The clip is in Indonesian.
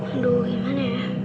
aduh yang mana ya